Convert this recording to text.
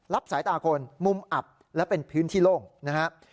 สายตาคนมุมอับและเป็นพื้นที่โล่งนะครับ